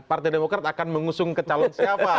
partai demokrat akan mengusung ke calon siapa